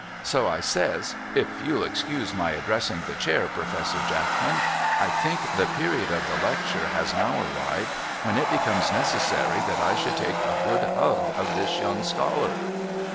So I says ' if you'll excuse my addressing the chair Professor Jackman I think the period of the lecture has now arrived when it becomes necessary that I should take a good hug of this young scholar.'